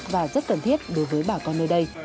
và rất cần thiết đối với bà con nơi đây